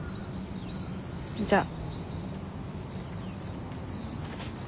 じゃあ。